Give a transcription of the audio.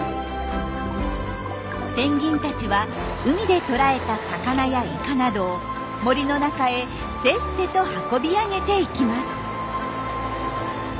ペンギンたちは海で捕らえた魚やイカなどを森の中へせっせと運び上げていきます。